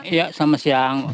iya selamat siang